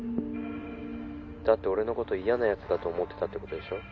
だって俺のこと嫌なヤツだと思ってたってことでしょ？